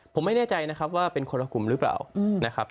ผมไม่แน่ใจนะครับว่าเป็นคนละกลุ่มหรือเปล่านะครับ